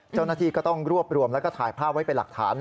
เจ้าหน้าที่ก็ต้องรวบรวมแล้วก็ถ่ายภาพไว้เป็นหลักฐาน